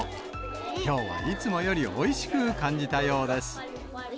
きょうはいつもよりおいしく感じたようです。